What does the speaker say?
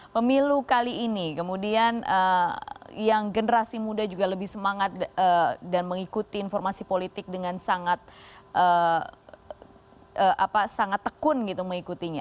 pemilu kali ini kemudian yang generasi muda juga lebih semangat dan mengikuti informasi politik dengan sangat tekun gitu mengikutinya